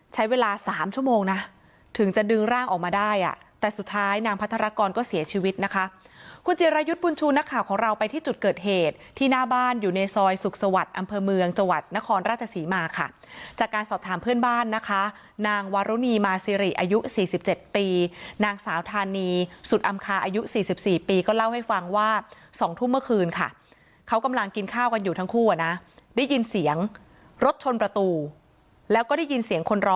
ใช้เวลาสามชั่วโมงนะถึงจะดึงร่างออกมาได้อะแต่สุดท้ายนางพัทรกรก็เสียชีวิตนะคะคุณเจรายุทธ์บูญชูนักข่าวของเราไปที่จุดเกิดเหตุที่หน้าบ้านอยู่ในซอยศูกสวัสดิ์อำเภอเมืองจวัดนครราชสีมาค่ะจากการสอบถามเพื่อนบ้านนะคะนางวรรณีมาสิริอายุสี่สิบเจ็ดปีนางสาวธารณีสุดอำคาอายุสี่สิบส